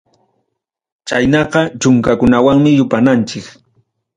Chaynaqa chunkakunawanmi yupananchik.